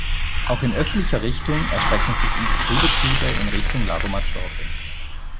Auch in östlicher Richtung erstrecken sich Industriebetriebe in Richtung Lago Maggiore.